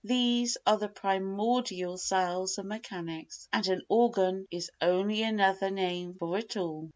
These are the primordial cells of mechanics. And an organ is only another name for a tool.